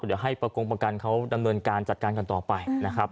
เดี๋ยวให้ประกงประกันเขาดำเนินการจัดการกันต่อไปนะครับ